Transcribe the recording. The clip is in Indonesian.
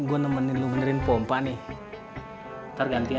buat aku antum sama senior